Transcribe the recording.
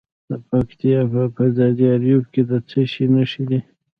د پکتیا په ځاځي اریوب کې د څه شي نښې دي؟